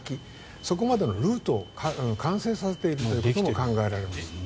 そこまでのルートを完成させているということも考えられる。